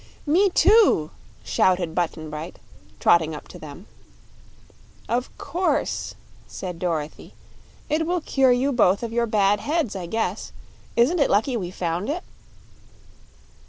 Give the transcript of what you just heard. "Me, too!" shouted Button Bright, trotting up to them. "Of course," said Dorothy. "It will cure you both of your bad heads, I guess. Isn't it lucky we found it?"